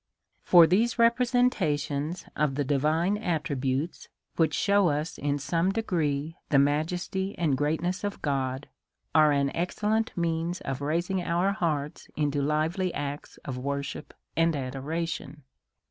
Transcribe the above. For these representations of the divine attributes, which shew us in some degree the majesty and great ness of God, are an excellent means of raising our hearts into lively acts of worship and adoration.